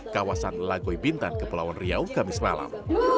kawasan lagoy bintan kepulauan riau kamis malam